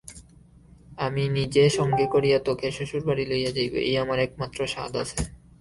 আমি নিজে সঙ্গে করিয়া তােকে শ্বশুরবাড়ি লইয়া যাইব, এই আমার একমাত্র সাধ আছে!